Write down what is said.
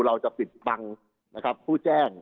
เราจะผึดปังคุณแจ้ง